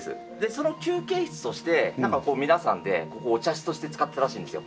その休憩室としてなんか皆さんでここをお茶室として使ってたらしいんですよ。